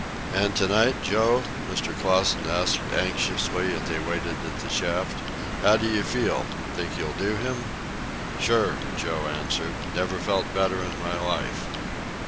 "And to night, Joe?" Mr. Clausen asked anxiously, as they waited at the shaft. "How do you feel? Think you'll do him?" "Sure," Joe answered. "Never felt better in my life."